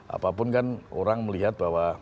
apapun kan orang melihat bahwa